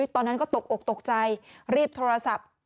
ตอนนั้นก็ตกอกตกใจรีบโทรศัพท์